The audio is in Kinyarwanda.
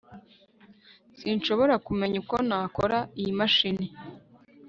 sinshobora kumenya uko nakora iyi mashini